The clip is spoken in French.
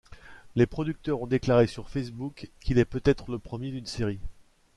Les producteurs ont déclaré sur Facebook qu'il est peut-être le premier d'une série.